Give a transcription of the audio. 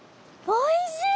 おいしい！